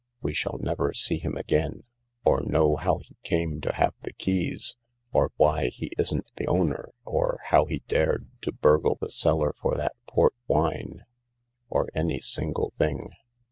We shall never see him again, or know how he came to have the keys, or why he isn't the owner, or how he dared to burgle the cellar for that port wine— or any single thing."